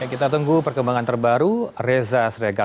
kita tunggu perkembangan terbaru reza sregar